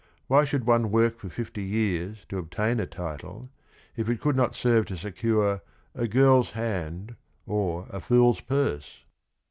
Why should one work for fifty years to obtain a title, if it could not serve to secure a "girl's hand" or a "fool's purse"?